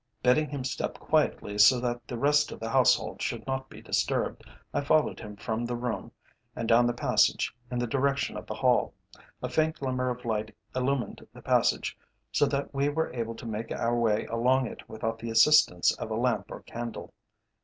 "Bidding him step quietly so that the rest of the household should not be disturbed, I followed him from the room, and down the passage in the direction of the hall. A faint glimmer of light illumined the passage, so that we were able to make our way along it without the assistance of a lamp or candle.